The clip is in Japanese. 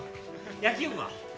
野球部は？